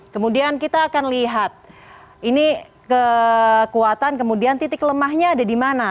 kemudian kita akan lihat ini kekuatan kemudian titik lemahnya ada di mana